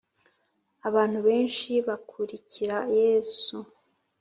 abantu benshi bakurikira Yesu